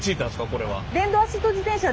これは。